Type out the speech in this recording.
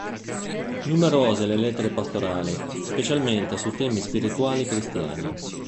Numerose le lettere pastorali, specialmente su temi spirituali cristiani.